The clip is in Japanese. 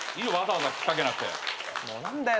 もう何だよ？